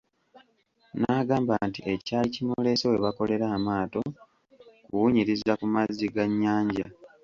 N'agamba nti ekyali kimuleese we bakolera amaato, kuwunyiriza ku mazzi ga nnyanja.